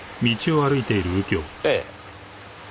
ええ。